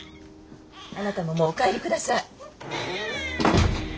あなたももうお帰り下さい。